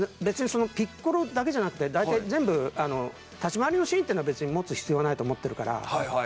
別にそのピッコロだけじゃなくて大体全部立ち回りのシーンっていうのは別に持つ必要はないと思ってるから。